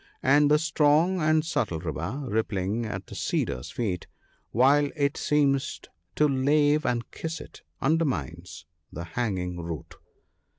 And the strong and subtle river, rippling at the cedar's foot, While it seems to lave and kiss it, undermines the hanging root."